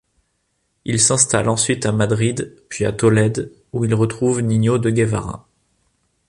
Il s'installe ensuite à Madrid, puis à Tolède où il retrouve Niño de Guevara.